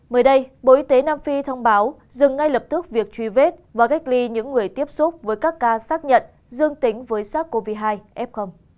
mới đây bộ y tế nam phi thông báo dừng ngay lập tức việc truy vết và cách ly những người tiếp xúc với các ca xác nhận dương tính với sars cov hai f